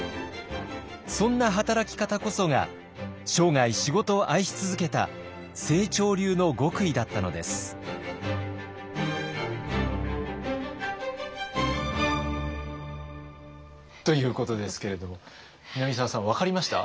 そんな働き方こそが生涯仕事を愛し続けた清張流の極意だったのです。ということですけれども南沢さん分かりました？